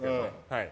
はい。